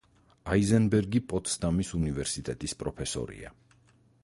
აიზენბერგი პოტსდამის უნივერსიტეტის პროფესორია.